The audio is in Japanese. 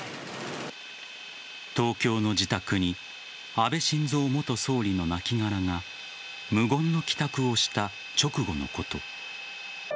東京の自宅に安倍晋三元総理の亡きがらが無言の帰宅をした直後のこと。